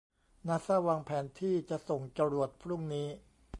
นาซ่าวางแผนที่จะส่งจรวดพรุ่งนี้